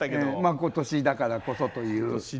今年だからこそっていう。